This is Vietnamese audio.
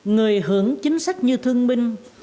người hưởng chính sách như thương binh